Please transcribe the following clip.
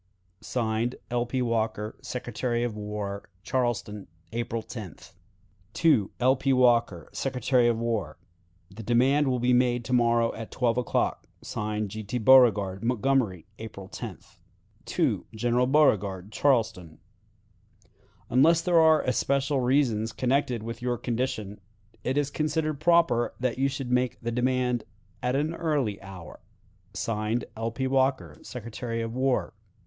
(Signed) "L. P. Walker, Secretary of War." "Charleston, April 10th. "L. P. Walker, Secretary of War. "The demand will be made to morrow at twelve o'clock. (Signed) "G. T. Beauregard." "Montgomery, April 10th. "General Beauregard, Charleston. "Unless there are especial reasons connected with your own condition, it is considered proper that you should make the demand at an early hour. (Signed) "L. P. Walker, Secretary of War."